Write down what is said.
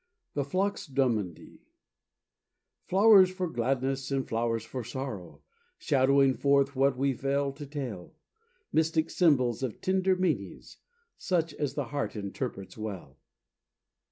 The Phlox Drummondii. "Flowers for gladness and flowers for sorrow, Shadowing forth what we fail to tell; Mystic symbols of tender meanings, Such as the heart interprets well."